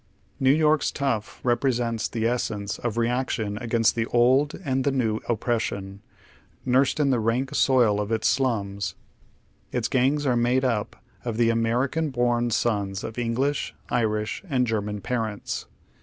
New York's tough represents the esseiiee of reaction against the old and the new oppression, imrsed in the rank soil of its slums. Its gangs are made up of the American born sons of English, Irish, and German parents.